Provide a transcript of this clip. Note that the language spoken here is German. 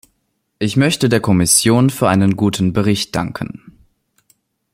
Ich möchte der Kommission für einen guten Bericht danken.